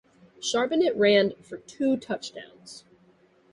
Charbonnet ran for two touchdowns.